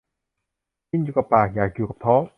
กินอยู่กับปาก อยากอยู่กับท้อง